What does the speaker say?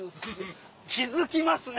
「気づきますね」。